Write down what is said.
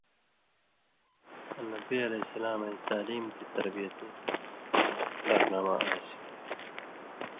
اُ نبی علیہ السلام اَئیں تعلیم تَےتربیتئیں سَخ گَھئیں کارنامہ اَئینٚس